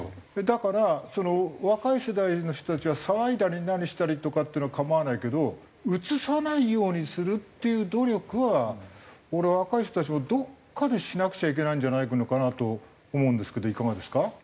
だから若い世代の人たちは騒いだり何したりとかっていうのは構わないけどうつさないようにするっていう努力は俺は若い人たちもどっかでしなくちゃいけないんじゃないのかなと思うんですけどいかがですか？